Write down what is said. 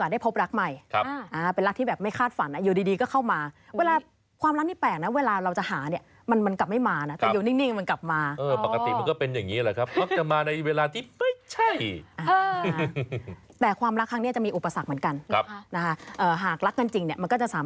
น่าจะชัวร์นะชัวร์เลยล่ะแต่ช้าหน่อยค่ะ